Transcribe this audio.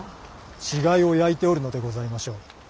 死骸を焼いておるのでございましょう。